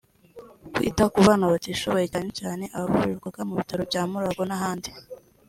kwita ku bana batishoboye cyane cyane abavurirwaga mu bitaro bya Mulago n’ahandi